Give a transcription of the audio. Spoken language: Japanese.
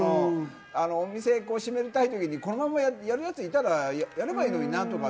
お店を閉めたい時にこのままやる奴いたらやればいいのになとかっ